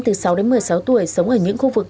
từ sáu đến một mươi sáu tuổi sống ở những khu vực